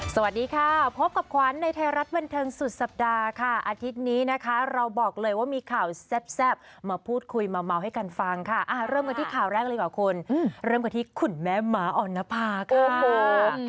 สวัสดีค่ะพบกับขวัญในไทยรัฐบันเทิงสุดสัปดาห์ค่ะอาทิตย์นี้นะคะเราบอกเลยว่ามีข่าวแซ่บมาพูดคุยมาเมาให้กันฟังค่ะเริ่มกันที่ข่าวแรกเลยกว่าคุณเริ่มกันที่คุณแม่หมาออนภาค่ะ